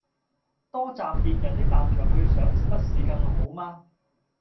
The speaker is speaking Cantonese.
多站別人的立場去想不是更好嗎？